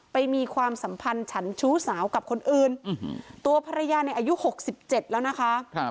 มีความสัมพันธ์ฉันชู้สาวกับคนอื่นตัวภรรยาในอายุ๖๗แล้วนะคะ